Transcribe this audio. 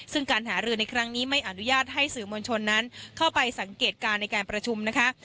ซึ่งการหารือในครั้งนี้ไม่อนุญาตให้สื่อมวลชนนั้นเข้าไปสังเกตการณ์ในการประชุมนะคะ